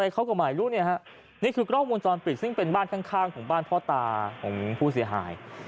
เขาก็ไม่รู้เนี่ยฮะนี่คือกล้องวงจรปิดซึ่งเป็นบ้านข้างของบ้านพ่อตาของผู้เสียหาย